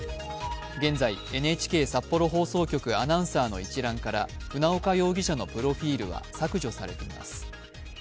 現在、ＮＨＫ札幌放送局アナウンサーの一覧から船岡容疑者のプロフィールが削除されています。